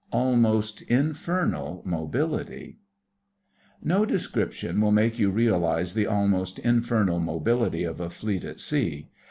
ALMOST INFERNAL MOBILITY No description will make you realise the almost infernal mobility of a Fleet at sea.